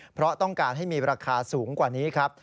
เพราะต้องการให้มีราคาสูงกว่านี้ครับ